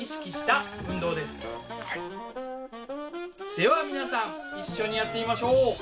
では皆さん一緒にやってみましょう。